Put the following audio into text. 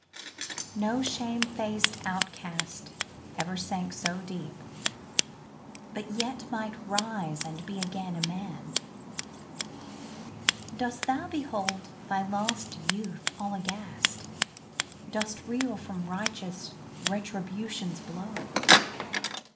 No shame faced outcast ever sank so deep, But yet might rise and be again a man ! Dost thou behold thy lost youth all aghast? Dost reel from righteous Retribution's blow?